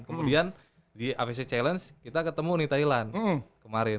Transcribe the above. kemudian di afc challenge kita ketemu nih thailand kemarin